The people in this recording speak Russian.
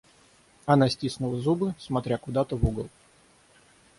Она стиснула зубы, смотря куда-то в угол.